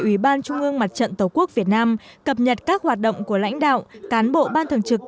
ủy ban trung ương mặt trận tổ quốc việt nam cập nhật các hoạt động của lãnh đạo cán bộ ban thường trực